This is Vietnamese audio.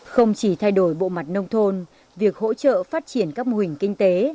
không chỉ thay đổi bộ mặt nông thôn việc hỗ trợ phát triển các mô hình kinh tế